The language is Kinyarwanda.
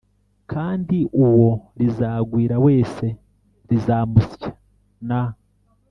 kandi uwo rizagwira wese rizamusya n